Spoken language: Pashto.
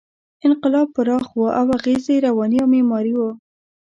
انقلاب پراخ و او اغېز یې رواني او معماري و.